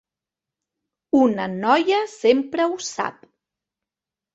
Una noia sempre ho sap.